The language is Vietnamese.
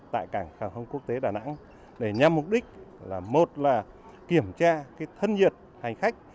tại cảng hàng không quốc tế đà nẵng để nhằm mục đích là một là kiểm tra thân nhiệt hành khách